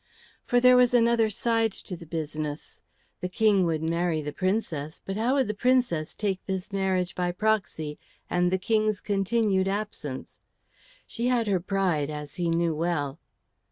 For there was another side to the business. The King would marry the Princess; but how would the Princess take this marriage by proxy and the King's continued absence? She had her pride, as he knew well.